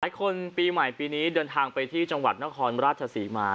คนปีใหม่ปีนี้เดินทางไปที่จังหวัดนครราชศรีมา